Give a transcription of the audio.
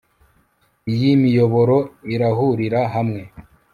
Iyi miyoboro irahurira hamwe